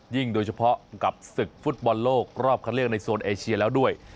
โดยเฉพาะกับศึกฟุตบอลโลกรอบคันเลือกในโซนเอเชียแล้วด้วย